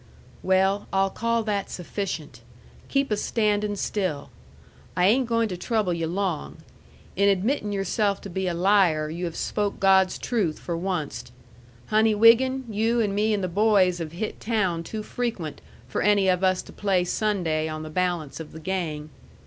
"Well, I'll call that sufficient. Keep a standin' still. I ain' going to trouble yu' long. In admittin' yourself to be a liar you have spoke God's truth for onced. Honey Wiggin, you and me and the boys have hit town too frequent for any of us to play Sunday on the balance of the gang."